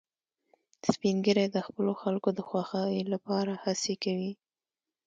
سپین ږیری د خپلو خلکو د خوښۍ لپاره هڅې کوي